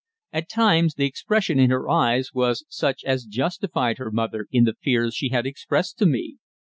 At times the expression in her eyes was such as justified her mother in the fears she had expressed to me.